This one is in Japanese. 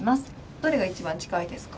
どれが一番近いですか？